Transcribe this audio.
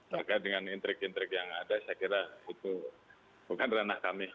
terkait dengan intrik intrik yang ada saya kira itu bukan ranah kami